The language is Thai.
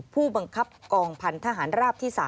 ผู้บังคับกองพันธหารราบที่๓